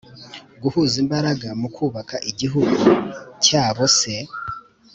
guhuza imbaraga mu kubaka igihugu cyabo se?